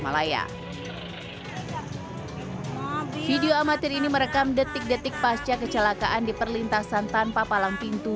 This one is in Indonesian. malaya video amatir ini merekam detik detik pasca kecelakaan di perlintasan tanpa palang pintu